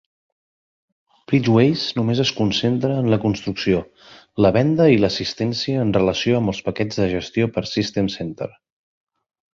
BridgeWays només es concentra en la construcció, la venda i l"assistència en relació amb paquets de gestió per a System Centre.